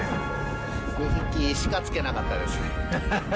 ２匹しか突けなかったです。